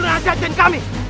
tidak perlu rajajin kami